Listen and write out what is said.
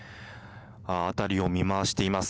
辺りを見回しています。